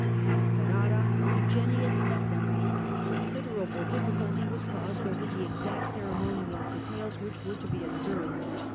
At Ferrara Eugenius met them, and considerable difficulty was caused over the exact ceremonial details which were to be observed.